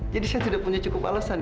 jadi saya tidak punya cukup alasan